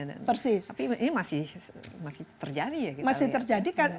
tapi ini masih terjadi ya kita lihat